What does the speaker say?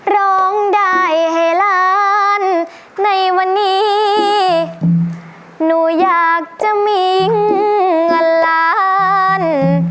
ร้องได้ให้ล้านในวันนี้หนูอยากจะมิงเงินล้าน